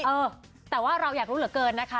เออแต่ว่าเราอยากรู้เหลือเกินนะคะ